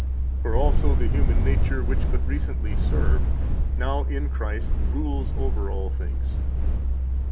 For also the human nature, which but recently served, now in Christ rules over all things."